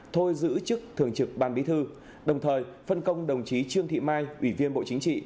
thôi giữ chức thường trực ban bí thư đồng thời phân công đồng chí trương thị mai ủy viên bộ chính trị